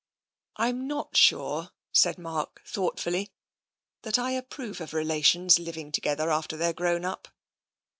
I'm not sure," said Mark thoughtfully, "that I approve of relations living together after they are grown up."